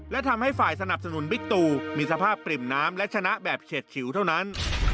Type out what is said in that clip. และทำให้ฝ่ายสนับสนุนบิ๊กตูมีสภาพปริ่มน้ำและชนะแบบเฉียดฉิวเท่านั้น